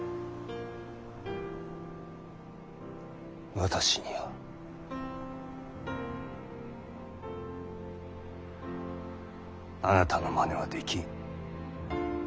私にはあなたのまねはできん。